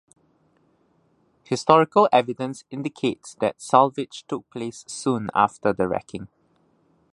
Historical evidence indicates that salvage took place soon after the wrecking.